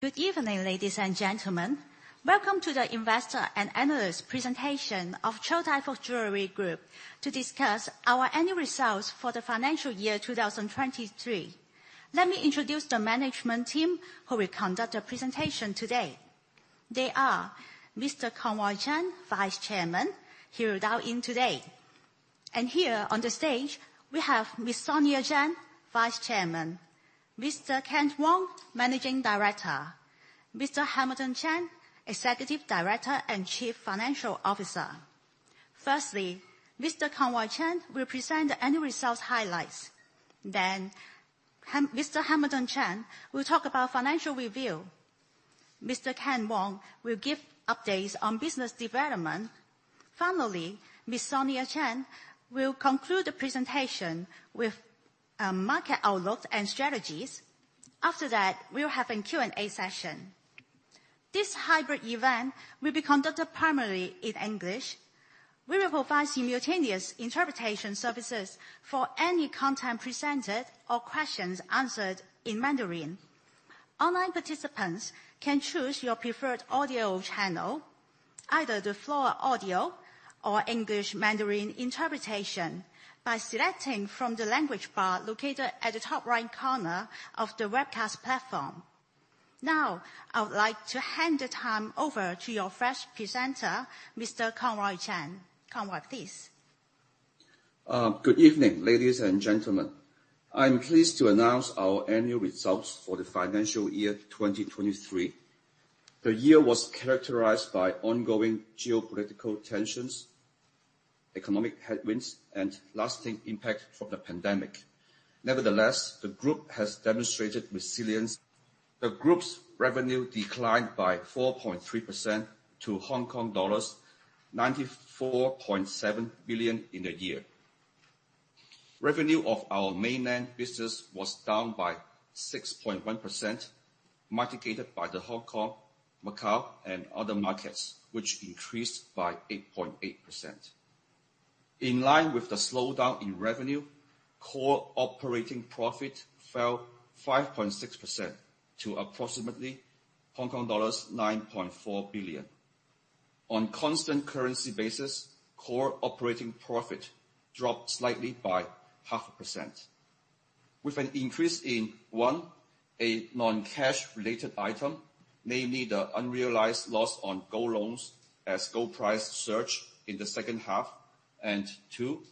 Good evening, ladies and gentlemen. Welcome to the Investor and Analyst Presentation of Chow Tai Fook Jewellery Group to discuss our annual results for the financial year 2023. Let me introduce the management team who will conduct the presentation today. They are Mr. Conroy Cheng, Vice Chairman, he will dial in today. Here on the stage, we have Miss Sonia Cheng, Vice Chairman. Mr. Kent Wong, Managing Director. Mr. Hamilton Cheng, Executive Director and Chief Financial Officer. Firstly, Mr. Conroy Cheng will present the annual results highlights. Mr. Hamilton Cheng will talk about financial review. Mr. Kent Wong will give updates on business development. Finally, Miss Sonia Cheng will conclude the presentation with market outlook and strategies. After that, we'll have a Q&A session. This hybrid event will be conducted primarily in English. We will provide simultaneous interpretation services for any content presented or questions answered in Mandarin. Online participants can choose your preferred audio channel, either the floor audio or English/Mandarin interpretation, by selecting from the language bar located at the top right corner of the webcast platform. Now, I would like to hand the time over to your first presenter, Mr. Conroy Cheng. Conroy, please. Good evening, ladies and gentlemen. I'm pleased to announce our annual results for the financial year 2023. The year was characterized by ongoing geopolitical tensions, economic headwinds, and lasting impact from the pandemic. Nevertheless, the group has demonstrated resilience. The group's revenue declined by 4.3% to Hong Kong dollars 94.7 billion in the year. Revenue of our Mainland business was down by 6.1%, mitigated by the Hong Kong, Macau, and other markets, which increased by 8.8%. In line with the slowdown in revenue, core operating profit fell 5.6% to approximately Hong Kong dollars 9.4 billion. On constant currency basis, core operating profit dropped slightly by half a percent. With an increase in, one, a non-cash related item, namely the unrealized loss on gold loans as gold price surged in the second half, and two,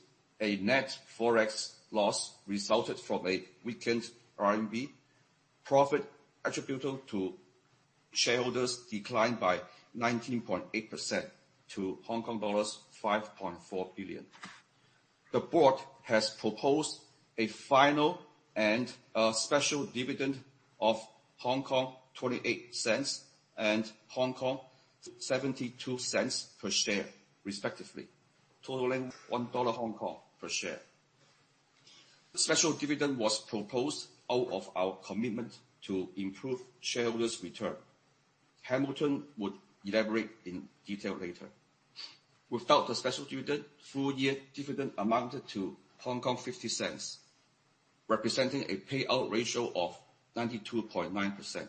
a net forex loss resulted from a weakened RMB, profit attributable to shareholders declined by 19.8% to Hong Kong dollars 5.4 billion. The board has proposed a final and a special dividend of 0.28 and 0.72 per share, respectively, totaling 1 Hong Kong dollar per share. The special dividend was proposed out of our commitment to improve shareholders' return. Hamilton would elaborate in detail later. Without the special dividend, full-year dividend amounted to 0.50, representing a payout ratio of 92.9%.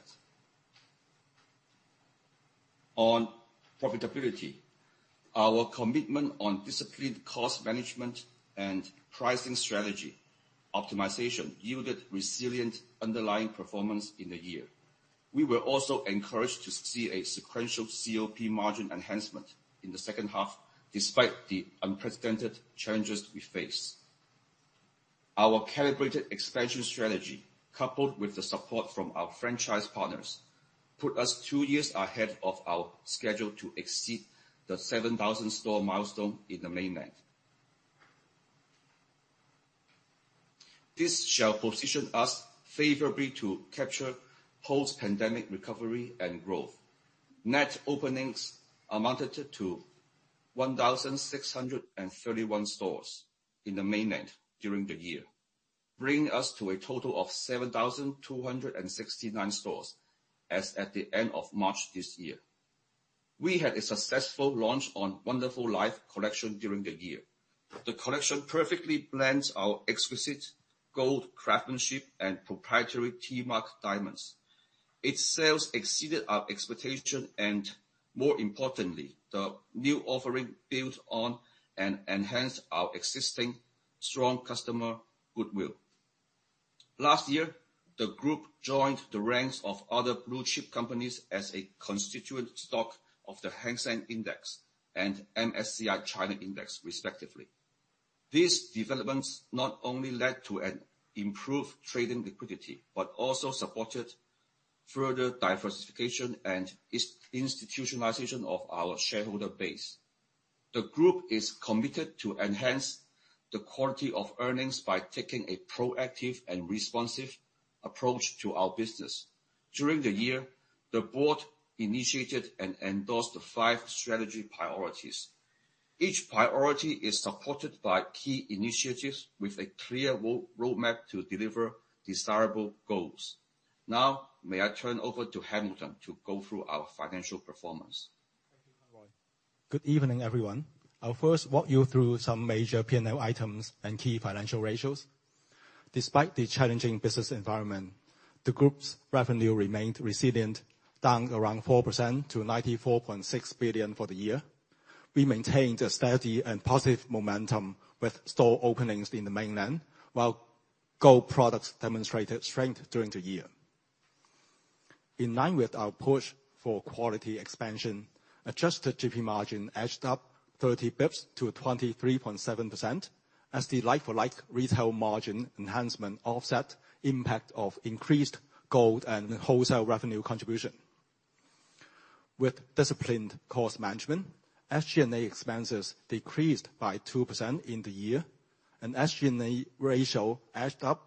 On profitability, our commitment on disciplined cost management and pricing strategy optimization yielded resilient underlying performance in the year. We were also encouraged to see a sequential COP margin enhancement in the second half, despite the unprecedented challenges we face. Our calibrated expansion strategy, coupled with the support from our franchise partners, put us two years ahead of our schedule to exceed the 7,000 store milestone in the Mainland. This shall position us favorably to capture post-pandemic recovery and growth. Net openings amounted to 1,631 stores in the Mainland during the year, bringing us to a total of 7,269 stores as at the end of March this year. We had a successful launch on Wonderful Life Collection during the year. The collection perfectly blends our exquisite gold craftsmanship and proprietary T-MARK diamonds. Its sales exceeded our expectation, and more importantly, the new offering built on and enhanced our existing strong customer goodwill. Last year, the group joined the ranks of other blue chip companies as a constituent stock of the Hang Seng Index and MSCI China Index, respectively. These developments not only led to an improved trading liquidity, but also supported further diversification and institutionalization of our shareholder base. The group is committed to enhance the quality of earnings by taking a proactive and responsive approach to our business. During the year, the board initiated and endorsed the five strategy priorities. Each priority is supported by key initiatives with a clear roadmap to deliver desirable goals. Now, may I turn over to Hamilton to go through our financial performance? Good evening, everyone. I'll first walk you through some major P&L items and key financial ratios. Despite the challenging business environment, the group's revenue remained resilient, down around 4% to 94.6 billion for the year. We maintained a steady and positive momentum with store openings in the Mainland, while gold products demonstrated strength during the year. In line with our push for quality expansion, adjusted GP margin edged up 30 bps to 23.7%, as the like-for-like retail margin enhancement offset impact of increased gold and wholesale revenue contribution. With disciplined cost management, SG&A expenses decreased by 2% in the year, and SG&A ratio edged up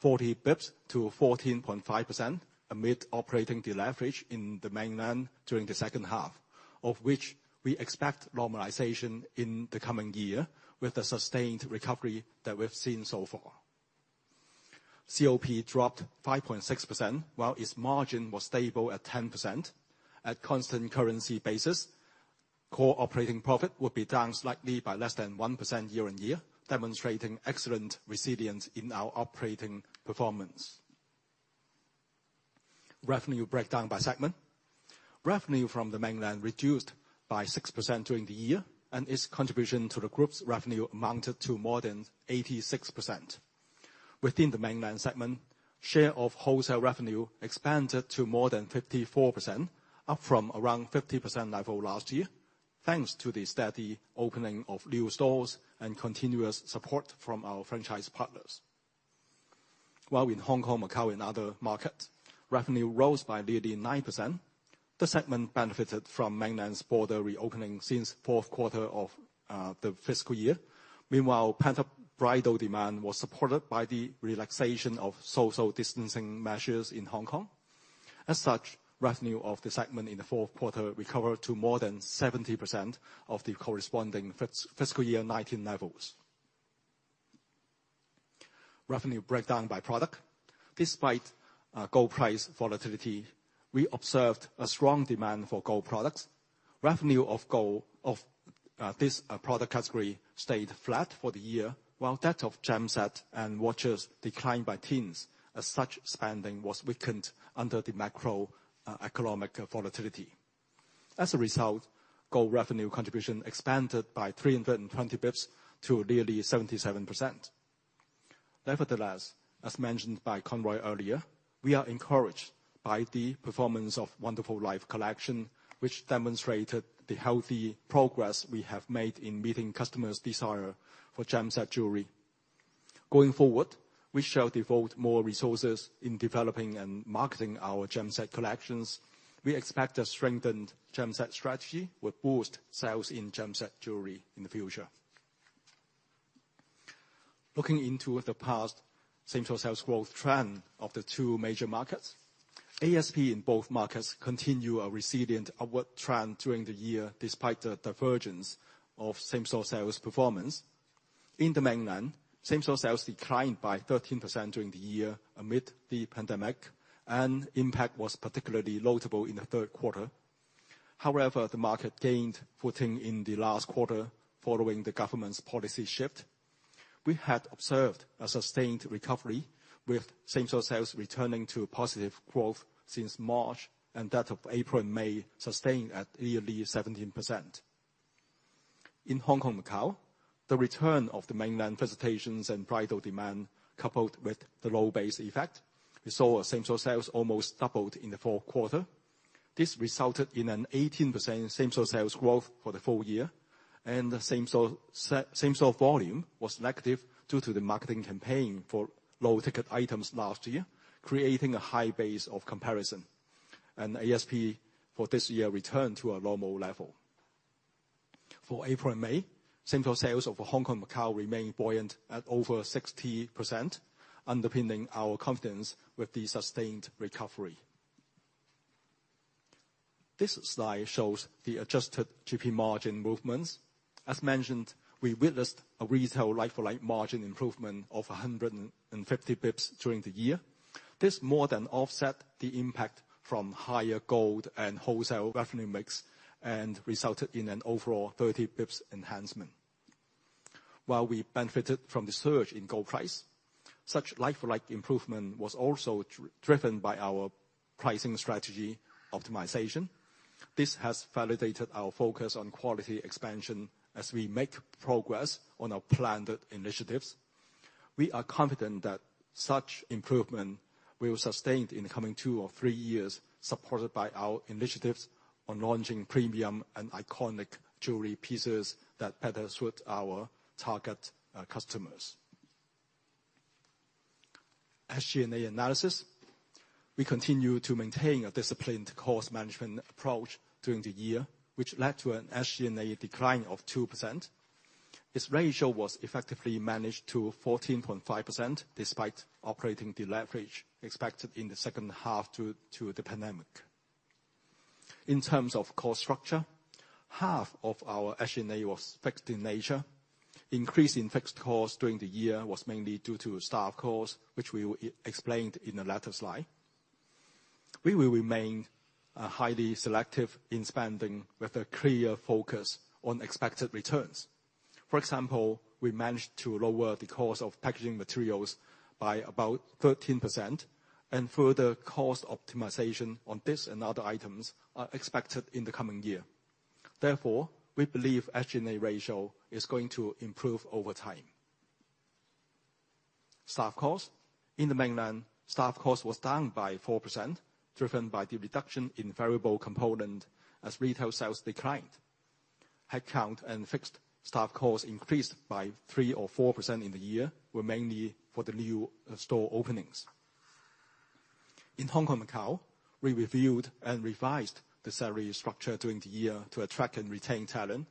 40 bps to 14.5% amid operating deleverage in the Mainland during the second half, of which we expect normalization in the coming year with the sustained recovery that we've seen so far. COP dropped 5.6%, while its margin was stable at 10%. At constant currency basis, core operating profit would be down slightly by less than 1% year-on-year, demonstrating excellent resilience in our operating performance. Revenue breakdown by segment. Revenue from the Mainland reduced by 6% during the year, its contribution to the group's revenue amounted to more than 86%. Within the Mainland segment, share of wholesale revenue expanded to more than 54%, up from around 50% level last year, thanks to the steady opening of new stores and continuous support from our franchise partners. In Hong Kong and Macau and other market, revenue rose by nearly 9%. The segment benefited from Mainland's border reopening since fourth quarter of the fiscal year. Meanwhile, pent-up bridal demand was supported by the relaxation of social distancing measures in Hong Kong. As such, revenue of the segment in the fourth quarter recovered to more than 70% of the corresponding fiscal year 2019 levels. Revenue breakdown by product. Despite gold price volatility, we observed a strong demand for gold products. This product category stayed flat for the year, while that of gem set and watches declined by teens, as such spending was weakened under the macroeconomic volatility. As a result, gold revenue contribution expanded by 320 bps to nearly 77%. As mentioned by Conroy earlier, we are encouraged by the performance of Wonderful Life Collection, which demonstrated the healthy progress we have made in meeting customers' desire for gem set jewellery. Going forward, we shall devote more resources in developing and marketing our gem set collections. We expect a strengthened gem set strategy will boost sales in gem set jewelry in the future. Looking into the past same-store sales growth trend of the two major markets, ASP in both markets continue a resilient upward trend during the year, despite the divergence of same-store sales performance. In the Mainland, same-store sales declined by 13% during the year amid the pandemic. Impact was particularly notable in the third quarter. The market gained footing in the last quarter following the government's policy shift. We had observed a sustained recovery, with same-store sales returning to positive growth since March. That of April and May sustained at nearly 17%. In Hong Kong and Macau, the return of the Mainland visitations and bridal demand, coupled with the low base effect, we saw same-store sales almost doubled in the fourth quarter. This resulted in an 18% same-store sales growth for the full year, the same-store volume was negative due to the marketing campaign for low-ticket items last year, creating a high base of comparison, ASP for this year returned to a normal level. For April and May, same-store sales of Hong Kong and Macau remained buoyant at over 60%, underpinning our confidence with the sustained recovery. This slide shows the adjusted GP margin movements. As mentioned, we witnessed a retail like-for-like margin improvement of 150 bps during the year. This more than offset the impact from higher gold and wholesale revenue mix, resulted in an overall 30 bps enhancement. While we benefited from the surge in gold price, such like-for-like improvement was also driven by our pricing strategy optimization. This has validated our focus on quality expansion as we make progress on our planned initiatives. We are confident that such improvement will be sustained in the coming two or three years, supported by our initiatives on launching premium and iconic jewelry pieces that better suit our target customers. SG&A analysis. We continue to maintain a disciplined cost management approach during the year, which led to an SG&A decline of 2%. This ratio was effectively managed to 14.5%, despite operating deleverage expected in the second half due to the pandemic. In terms of cost structure, half of our SG&A was fixed in nature. Increase in fixed costs during the year was mainly due to staff costs, which we will explained in a later slide. We will remain highly selective in spending with a clear focus on expected returns. For example, we managed to lower the cost of packaging materials by about 13%. Further cost optimization on this and other items are expected in the coming year. Therefore, we believe SG&A ratio is going to improve over time. Staff costs. In the Mainland, staff cost was down by 4%, driven by the reduction in variable component as retail sales declined. Headcount and fixed staff costs increased by 3% or 4% in the year, were mainly for the new store openings. In Hong Kong and Macau, we reviewed and revised the salary structure during the year to attract and retain talent.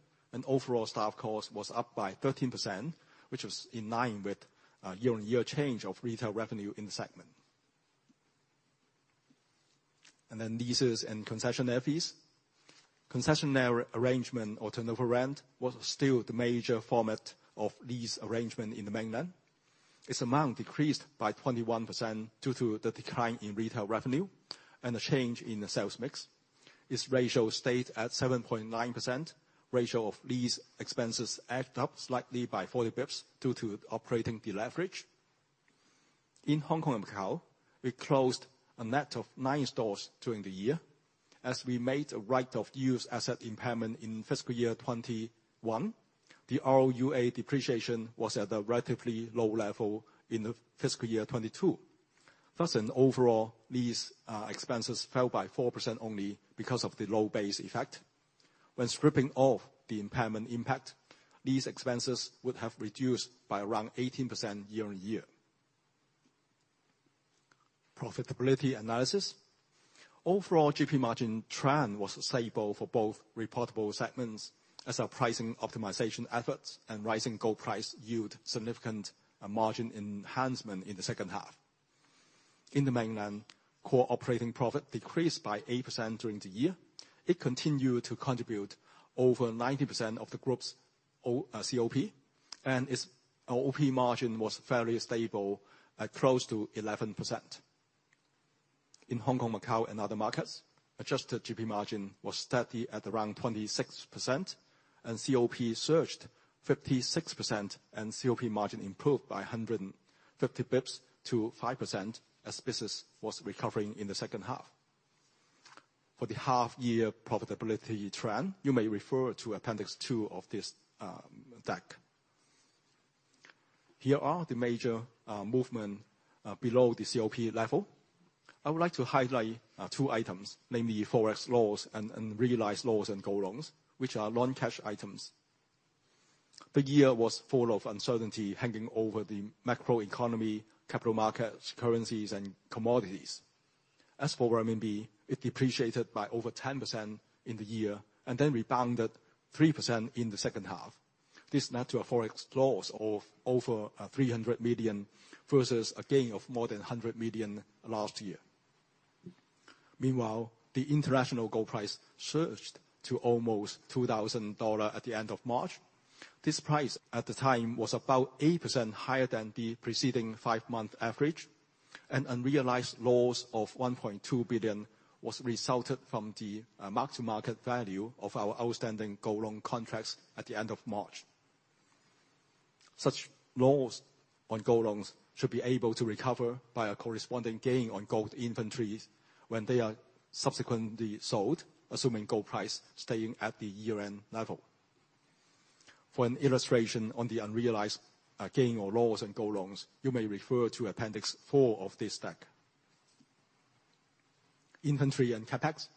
Overall staff cost was up by 13%, which was in line with year-on-year change of retail revenue in the segment. Leases and concessionaire fees. Concessionaire arrangement or turnover rent was still the major format of lease arrangement in the Mainland. Its amount decreased by 21% due to the decline in retail revenue and a change in the sales mix. Its ratio stayed at 7.9%. Ratio of lease expenses added up slightly by 40 basis points due to operating deleverage. In Hong Kong and Macau, we closed a net of nine stores during the year, as we made a right of use asset impairment in fiscal year 2021. The ROUA depreciation was at a relatively low level in the fiscal year 2022. Thus, an overall lease expenses fell by 4% only because of the low base effect. When stripping off the impairment impact, lease expenses would have reduced by around 18% year-on-year. Profitability analysis. Overall, GP margin trend was stable for both reportable segments as our pricing optimization efforts and rising gold price yield significant margin enhancement in the second half. In the Mainland, core operating profit decreased by 8% during the year. It continued to contribute over 90% of the group's COP, and its OP margin was fairly stable, at close to 11%. In Hong Kong, Macau, and other markets, adjusted GP margin was steady at around 26%, and COP surged 56%, and COP margin improved by 150 bips to 5%, as business was recovering in the second half. For the half-year profitability trend, you may refer to Appendix 2 of this deck. Here are the major movement below the COP level. I would like to highlight two items, namely, Forex loss and realized loss and gold loans, which are non-cash items. The year was full of uncertainty hanging over the macroeconomy, capital markets, currencies, and commodities. As for RMB, it depreciated by over 10% in the year, and then rebounded 3% in the second half. This led to a Forex loss of over 300 million, versus a gain of more than 100 million last year. Meanwhile, the international gold price surged to almost $2,000 at the end of March. This price, at the time, was about 8% higher than the preceding five-month average, and unrealized loss of 1.2 billion was resulted from the mark-to-market value of our outstanding gold loan contracts at the end of March. Such loss on gold loans should be able to recover by a corresponding gain on gold inventories when they are subsequently sold, assuming gold price staying at the year-end level. For an illustration on the unrealized gain or loss in gold loans, you may refer to Appendix 4 of this deck. Inventory and CapEx.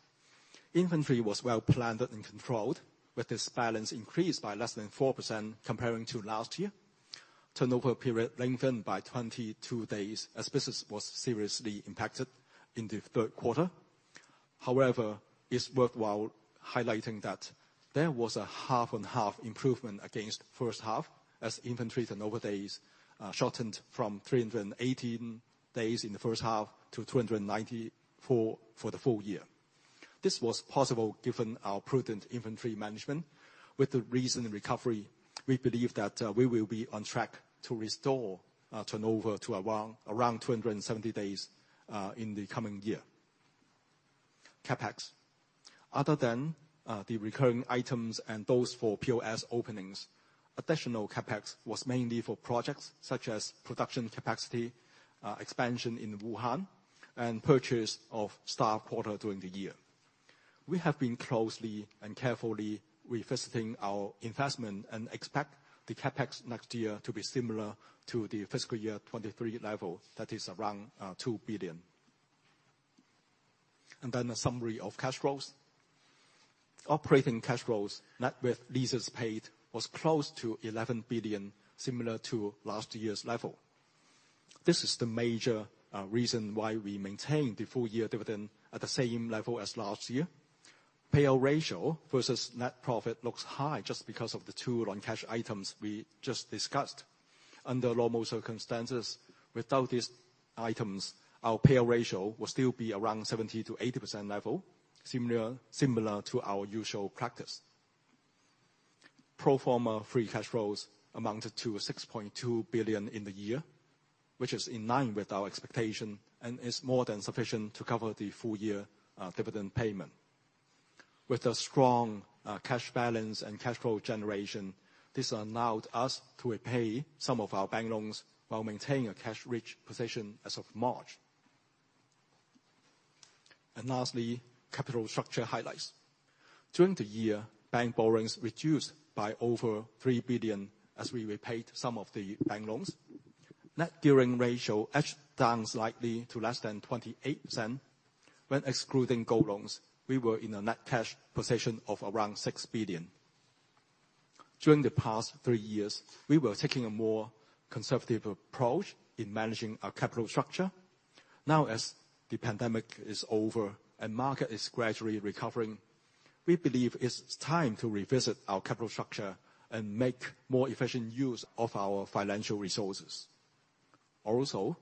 Inventory was well-planned and controlled, with this balance increased by less than 4% comparing to last year. Turnover period lengthened by 22 days, as business was seriously impacted in the third quarter. It's worthwhile highlighting that there was a half-on-half improvement against first half, as inventories and overdays shortened from 318 days in the first half to 294 for the full year. This was possible given our prudent inventory management. With the recent recovery, we believe that we will be on track to restore turnover to around 270 days in the coming year. CapEx. Other than the recurring items and those for POS openings, additional CapEx was mainly for projects such as production capacity expansion in Wuhan, and purchase of staff quarter during the year. We have been closely and carefully revisiting our investment and expect the CapEx next year to be similar to the fiscal year 2023 level, that is around 2 billion. A summary of cash flows. Operating cash flows, net with leases paid, was close to 11 billion, similar to last year's level. This is the major reason why we maintained the full-year dividend at the same level as last year. Payout ratio versus net profit looks high just because of the two non-cash items we just discussed. Under normal circumstances, without these items, our payout ratio will still be around 70%-80% level, similar to our usual practice. Pro forma free cash flows amounted to 6.2 billion in the year, which is in line with our expectation, and is more than sufficient to cover the full year dividend payment. With a strong cash balance and cash flow generation, this allowed us to repay some of our bank loans while maintaining a cash-rich position as of March. Lastly, capital structure highlights. During the year, bank borrowings reduced by over 3 billion as we repaid some of the bank loans. Net gearing ratio edged down slightly to less than 28%. When excluding gold loans, we were in a net cash position of around 6 billion. During the past three years, we were taking a more conservative approach in managing our capital structure. Now, as the pandemic is over and market is gradually recovering, we believe it's time to revisit our capital structure and make more efficient use of our financial resources. Also,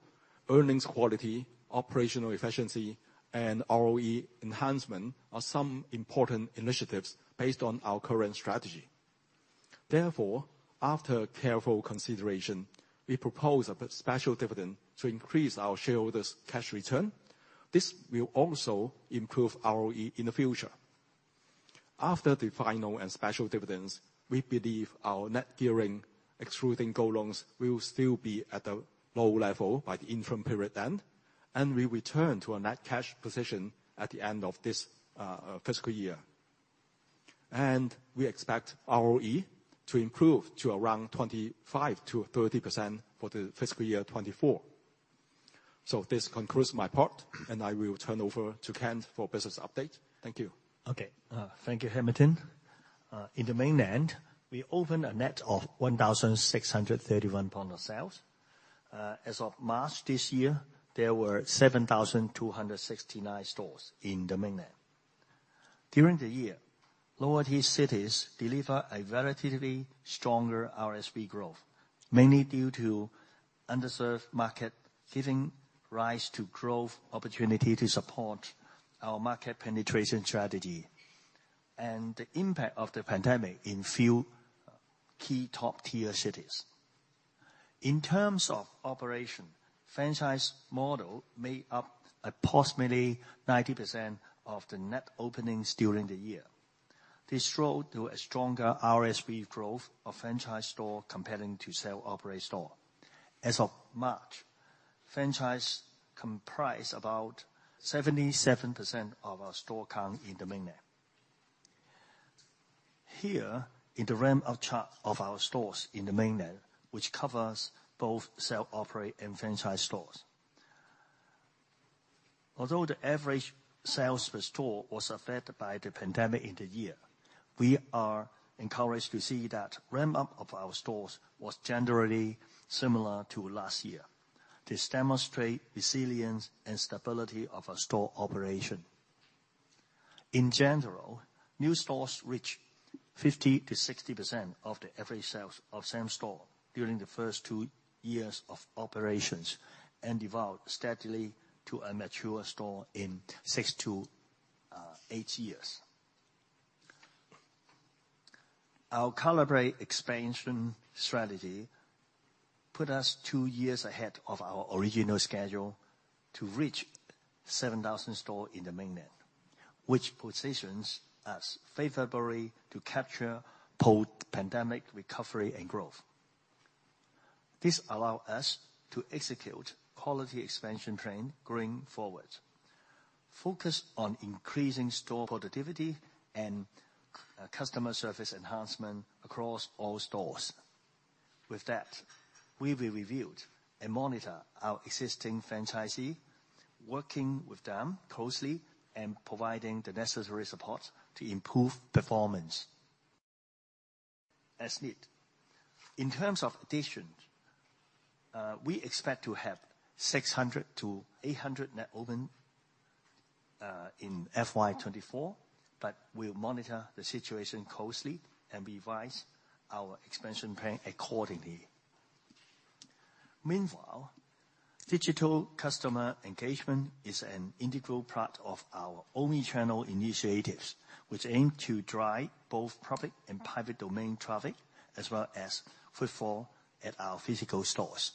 earnings quality, operational efficiency, and ROE enhancement are some important initiatives based on our current strategy. Therefore, after careful consideration, we propose a special dividend to increase our shareholders' cash return. This will also improve ROE in the future. After the final and special dividends, we believe our net gearing, excluding gold loans, will still be at a low level by the interim period end, and we return to a net cash position at the end of this fiscal year. We expect ROE to improve to around 25%-30% for the fiscal year 2024. This concludes my part, and I will turn over to Kent for business update. Thank you. Okay. Thank you, Hamilton. In the Mainland, we opened a net of 1,631 point of sale. As of March this year, there were 7,269 stores in the Mainland. During the year, lower-tier cities delivered a relatively stronger RSV growth, mainly due to underserved market, giving rise to growth opportunity to support our market penetration strategy and the impact of the pandemic in few key top-tier cities. In terms of operation, franchise model made up approximately 90% of the net openings during the year. This drove to a stronger RSV growth of franchise store comparing to self-operate store. As of March, franchise comprise about 77% of our store count in the Mainland. Here, in the ramp up of our stores in the Mainland, which covers both self-operate and franchise stores. Although the average sales per store was affected by the pandemic in the year, we are encouraged to see that ramp-up of our stores was generally similar to last year. This demonstrate resilience and stability of our store operation. In general, new stores reach 50%-60% of the average sales of same store during the first two years of operations, and evolve steadily to a mature store in six to eight years. Our calibrate expansion strategy put us two years ahead of our original schedule to reach 7,000 store in the Mainland, which positions us favorably to capture post-pandemic recovery and growth. This allow us to execute quality expansion plan going forward, focus on increasing store productivity and customer service enhancement across all stores. With that, we will review and monitor our existing franchisee, working with them closely and providing the necessary support to improve performance as need. In terms of additions, we expect to have 600-800 net open in FY 2024, but we'll monitor the situation closely and revise our expansion plan accordingly. Meanwhile, digital customer engagement is an integral part of our omni-channel initiatives, which aim to drive both public and private domain traffic, as well as footfall at our physical stores.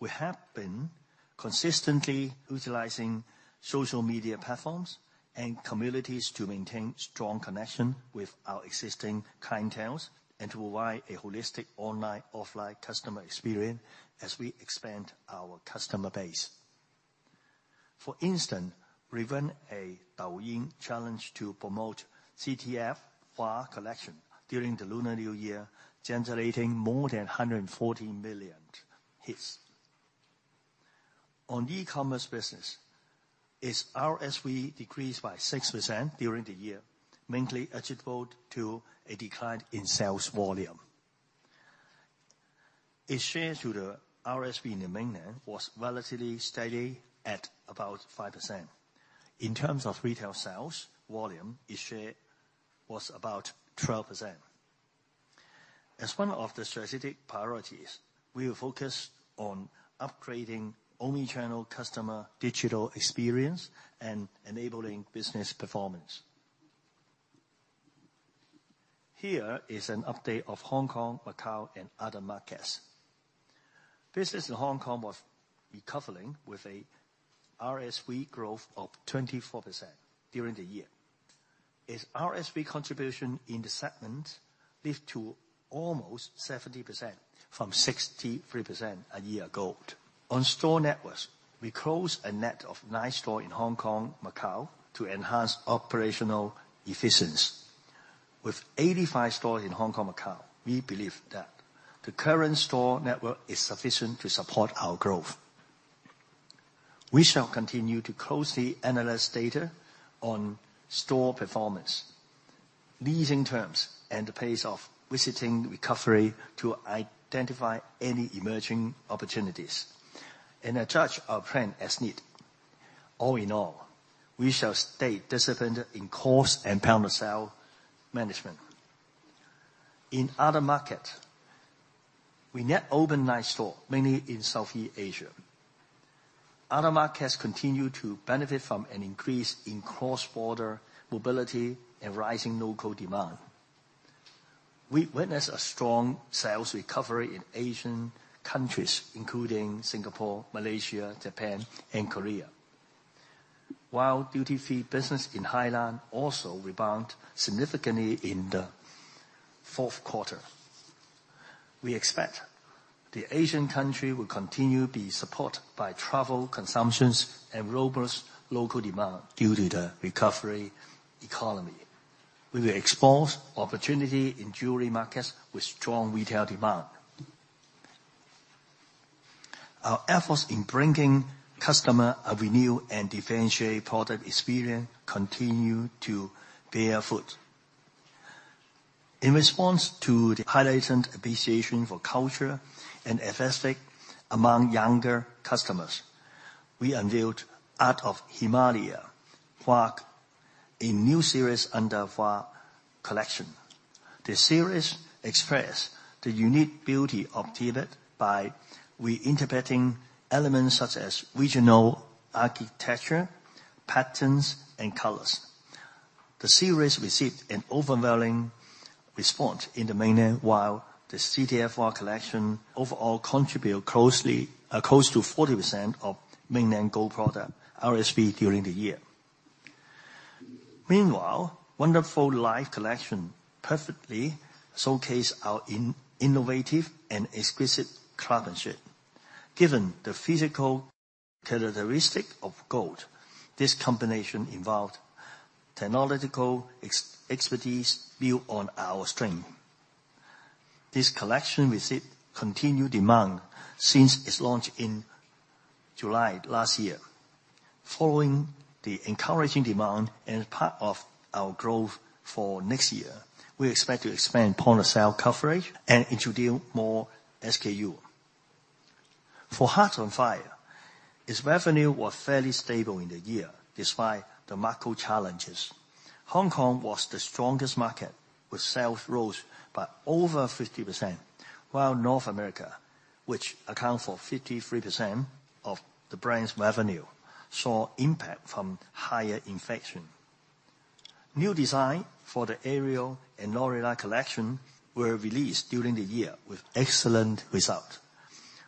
We have been consistently utilizing social media platforms and communities to maintain strong connection with our existing clientele, and to provide a holistic online, offline customer experience as we expand our customer base. For instance, we ran a Douyin challenge to promote CTF • HUÁ Collection during the Lunar New Year, generating more than 140 million hits. E-commerce business, its RSV decreased by 6% during the year, mainly attributable to a decline in sales volume. Its share to the RSV in the Mainland was relatively steady at about 5%. In terms of retail sales volume, its share was about 12%. As one of the strategic priorities, we are focused on upgrading omni-channel customer digital experience and enabling business performance. Here is an update of Hong Kong, Macau, and other markets. Business in Hong Kong was recovering with a RSV growth of 24% during the year. Its RSV contribution in the segment is to almost 70% from 63% a year ago. Store networks, we closed a net of nine stores in Hong Kong, Macau to enhance operational efficiency. With 85 stores in Hong Kong, Macau, we believe that the current store network is sufficient to support our growth. We shall continue to closely analyze data on store performance, leasing terms, and the pace of visiting recovery to identify any emerging opportunities and adjust our plan as needed. All in all, we shall stay disciplined in cost and point-of-sale management. In other market, we net open nine store, mainly in Southeast Asia. Other markets continue to benefit from an increase in cross-border mobility and rising local demand. We witness a strong sales recovery in Asian countries, including Singapore, Malaysia, Japan, and Korea, while duty-free business in Thailand also rebound significantly in the fourth quarter. We expect the Asian country will continue to be supported by travel, consumptions, and robust local demand due to the recovery economy. We will explore opportunity in jewelry markets with strong retail demand. Our efforts in bringing customer a renewed and differentiated product experience continue to bear fruit. In response to the heightened appreciation for culture and aesthetic among younger customers, we unveiled Art of Himalaya • HUÁ, a new series under CTF • HUÁ Collection. The series express the unique beauty of Tibet by reinterpreting elements, such as regional architecture, patterns, and colors. The series received an overwhelming response in the Mainland, while the CTF • HUÁ Collection overall contribute closely, close to 40% of Mainland gold product RSV during the year. Meanwhile, Wonderful Life Collection perfectly showcase our innovative and exquisite craftsmanship. Given the physical characteristic of gold, this combination involved technological expertise built on our strength. This collection received continued demand since its launch in July last year. Following the encouraging demand and as part of our growth for next year, we expect to expand point-of-sale coverage and introduce more SKU. For Hearts On Fire, its revenue was fairly stable in the year, despite the macro challenges. Hong Kong was the strongest market, with sales rose by over 50%, while North America, which account for 53% of the brand's revenue, saw impact from higher inflation. New design for the Aerial and Lorelei collection were released during the year with excellent result.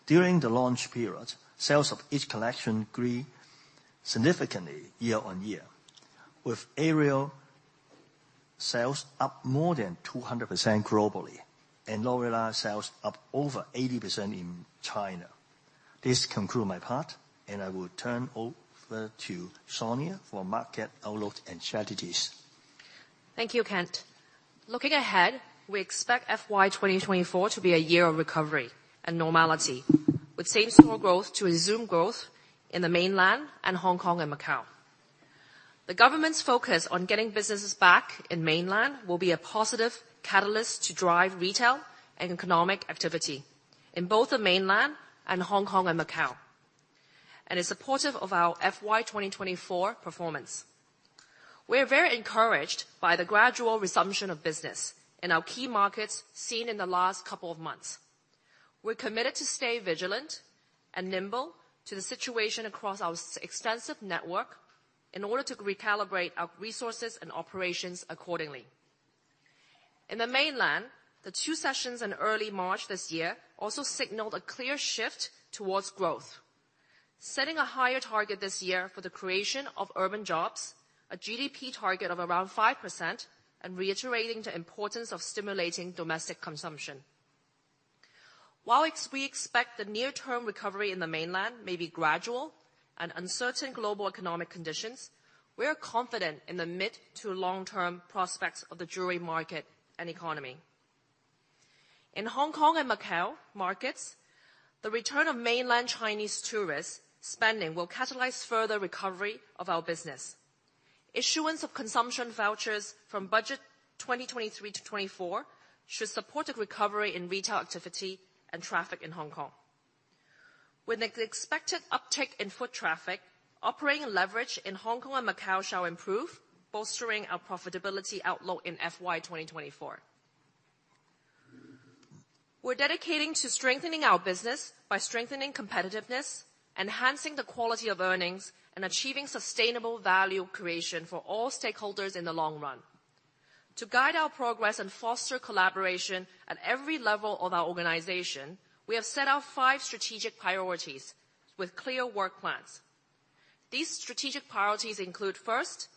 During the launch period, sales of each collection grew significantly year-on-year, with Aerial sales up more than 200% globally, and Lorelei sales up over 80% in China. This conclude my part. I will turn over to Sonia for market outlook and strategies. Thank you, Kent. Looking ahead, we expect FY 2024 to be a year of recovery and normality, with same-store growth to resume growth in the Mainland and Hong Kong and Macau. The government's focus on getting businesses back in Mainland will be a positive catalyst to drive retail and economic activity in both the Mainland and Hong Kong and Macau, and is supportive of our FY 2024 performance. We are very encouraged by the gradual resumption of business in our key markets seen in the last couple of months. We're committed to stay vigilant and nimble to the situation across our extensive network in order to recalibrate our resources and operations accordingly. In the Mainland, the Two Sessions in early March this year also signaled a clear shift towards growth, setting a higher target this year for the creation of urban jobs, a GDP target of around 5%, and reiterating the importance of stimulating domestic consumption. While we expect the near-term recovery in the Mainland may be gradual and uncertain global economic conditions, we are confident in the mid to long-term prospects of the jewelry market and economy. In Hong Kong and Macau markets, the return of Mainland Chinese tourists' spending will catalyze further recovery of our business. Issuance of consumption vouchers from budget 2023-2024 should support the recovery in retail activity and traffic in Hong Kong. With an expected uptick in foot traffic, operating leverage in Hong Kong and Macau shall improve, bolstering our profitability outlook in FY 2024. We're dedicating to strengthening our business by strengthening competitiveness, enhancing the quality of earnings, and achieving sustainable value creation for all stakeholders in the long run. To guide our progress and foster collaboration at every level of our organization, we have set out five strategic priorities with clear work plans. These strategic priorities include, first,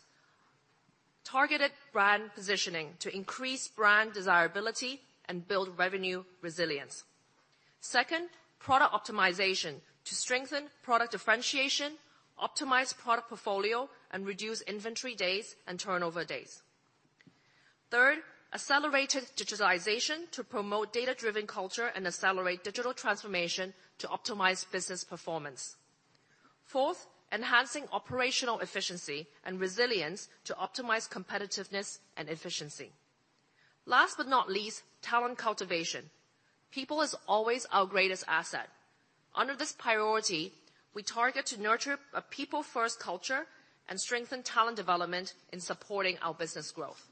targeted brand positioning to increase brand desirability and build revenue resilience. Second, product optimization to strengthen product differentiation, optimize product portfolio, and reduce inventory days and turnover days. Third, accelerated digitalization to promote data-driven culture and accelerate digital transformation to optimize business performance. Fourth, enhancing operational efficiency and resilience to optimize competitiveness and efficiency. Last but not least, talent cultivation. People is always our greatest asset. Under this priority, we target to nurture a people-first culture and strengthen talent development in supporting our business growth.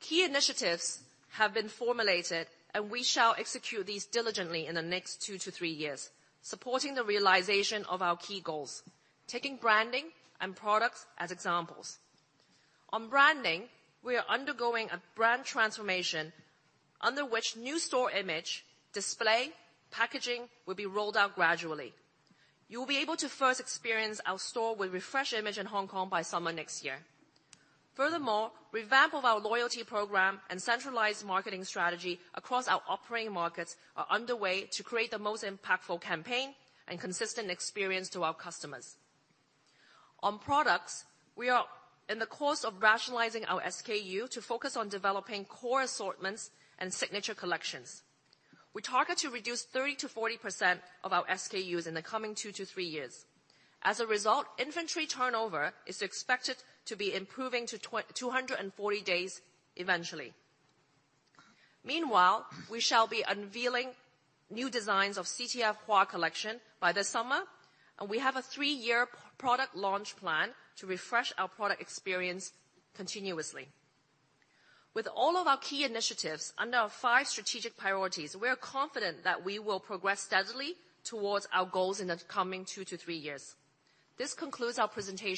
Key initiatives have been formulated. We shall execute these diligently in the next two to three years, supporting the realization of our key goals, taking branding and products as examples. On branding, we are undergoing a brand transformation, under which new store image, display, packaging will be rolled out gradually. You will be able to first experience our store with refreshed image in Hong Kong by summer next year. Furthermore, revamp of our loyalty program and centralized marketing strategy across our operating markets are underway to create the most impactful campaign and consistent experience to our customers. On products, we are in the course of rationalizing our SKU to focus on developing core assortments and signature collections. We target to reduce 30% to 40% of our SKUs in the coming two to three years. As a result, inventory turnover is expected to be improving to 240 days eventually. Meanwhile, we shall be unveiling new designs of CTF • HUÁ Collection by this summer, and we have a three-year product launch plan to refresh our product experience continuously. With all of our key initiatives under our five strategic priorities, we are confident that we will progress steadily towards our goals in the coming two to three years. This concludes our presentation.